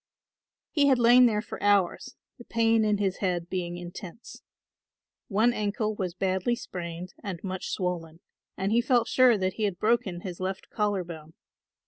He had lain there for hours, the pain in his head being intense. One ankle was badly sprained and much swollen and he felt sure that he had broken his left collar bone.